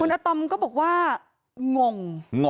คุณอัตอมก็บอกว่างง